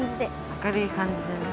明るい感じでね。